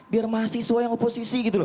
biar mahasiswa yang oposisi gitu loh